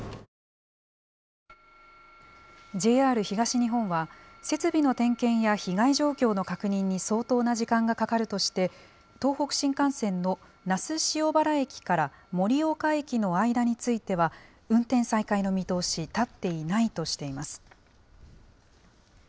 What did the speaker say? ＪＲ東日本は、設備の点検や被害状況の確認に相当な時間がかかるとして、東北新幹線の那須塩原駅から盛岡駅の間については、運転再開の見通し、立っていないとしています。